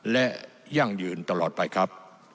และยั่งยืนตลอดไปครับ